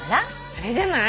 あれじゃない？